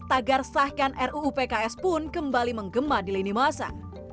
tagar sahkan ruu pks pun kembali menggema di lini masa